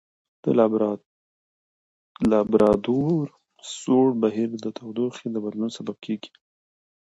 د لابرادور سوړ بهیر د تودوخې د بدلون سبب کیږي.